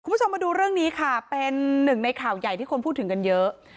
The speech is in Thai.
คุณผู้ชมมาดูเรื่องนี้ค่ะเป็นหนึ่งในข่าวใหญ่ที่คนพูดถึงกันเยอะ